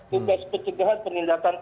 tugas pencegahan penindakan